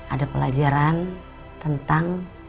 ada pelajaran tentang